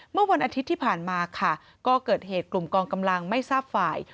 เมื่อวันอาทิตย์ที่ผ่านมาค่ะก็เกิดเหตุกลุ่มกองกำลังไม่ทราบฝ่าย